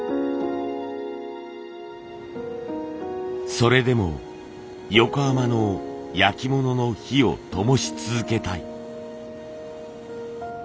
それでも横浜の焼き物の灯をともし続けたい。